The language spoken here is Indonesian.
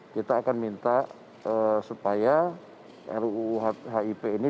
kita akan minta supaya ruu hip ini